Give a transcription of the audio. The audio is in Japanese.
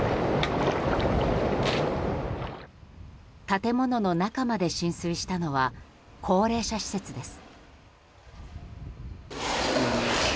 建物の中まで浸水したのは高齢者施設です。